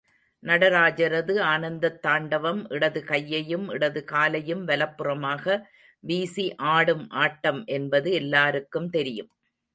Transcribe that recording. நடராஜரது ஆனந்தத் தாண்டவம் இடது கையையும், இடது காலையும் வலப்புறமாக வீசி ஆடும் ஆட்டம் என்பது எல்லாருக்கும் தெரியும்.